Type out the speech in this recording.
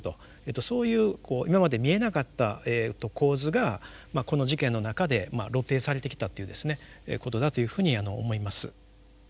そういうこう今まで見えなかった構図がこの事件の中で露呈されてきたっていうですねことだというふうに思います。